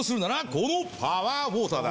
このパワーウオーターだ！